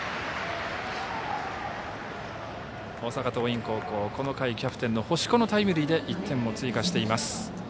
大阪桐蔭高校、この回キャプテンの星子のタイムリーで１点を追加しています。